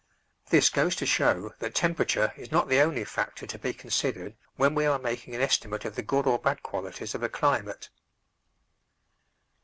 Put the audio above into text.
This goes to show that temperature is not the only factor to be considered when we are making an estimate of the good or bad qualities of a climate.